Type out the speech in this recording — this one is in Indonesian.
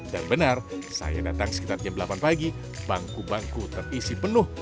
dan benar saya datang sekitar jam delapan pagi bangku bangku terisi penuh